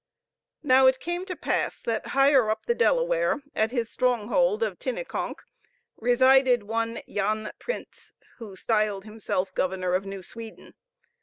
Now it came to pass that higher up the Delaware, at his stronghold of Tinnekonk, resided one Jan Printz, who styled himself Governor of New Sweden.